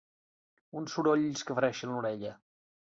Uns sorolls que fereixen l'orella.